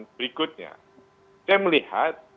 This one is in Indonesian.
berikutnya saya melihat